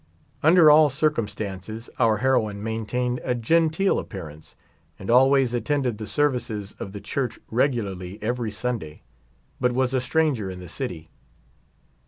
Under all circumstances our heroine maintained a gen teel appearance, and always attended the services of the church regularly every Sunday ; but was a stranger in the city.